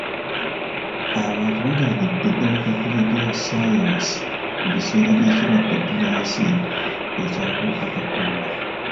Abantu bagaanidde ddala kakuyege ya ssaayansi mu biseera by'ekirwadde bbunansi eky'akawuka ka kolona.